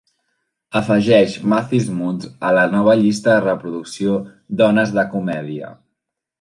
Afegeix Mathis Mootz a la meva llista de reproducció "dones de comèdia"